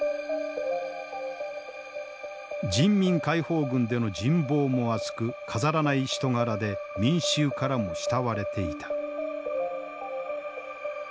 人民解放軍での人望も厚く飾らない人柄で民衆からも慕われていた。